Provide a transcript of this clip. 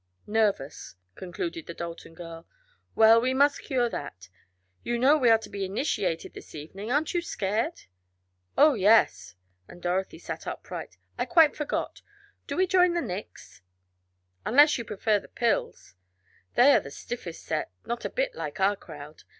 "Nervous," concluded the Dalton girl. "Well, we must cure that. You know we are to be initiated this evening. Aren't you scared?" "Oh, yes," and Dorothy sat upright. "I quite forgot. Do we join the Nicks?" "Unless you prefer the Pills. They are the stiffest set not a bit like our crowd.